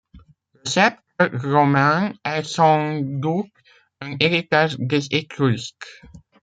Le sceptre romain est sans doute un héritage des Étrusques.